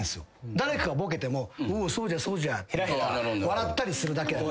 誰かがボケても「おおそうじゃそうじゃ」笑ったりするだけやった。